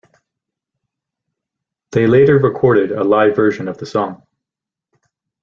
They later recorded a live version of the song.